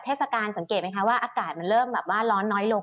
พี่หนิงครับส่วนตอนนี้เนี่ยนักลงทุนแล้วนะครับเพราะว่าระยะสั้นรู้สึกว่าทางสะดวกนะครับ